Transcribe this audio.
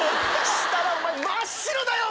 そしたら真っ白だよ！